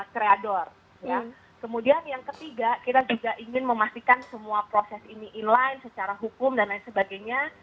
kreador kemudian yang ketiga kita juga ingin memastikan semua proses ini inline secara hukum dan lain sebagainya